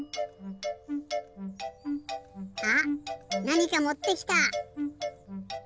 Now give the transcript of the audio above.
あっなにかもってきた！